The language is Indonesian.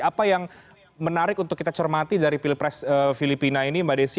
apa yang menarik untuk kita cermati dari pilpres filipina ini mbak desi